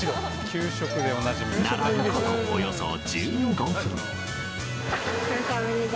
並ぶことおよそ１５分。